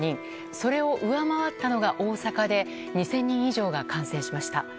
それを上回ったのが大阪で２０００人以上が感染しました。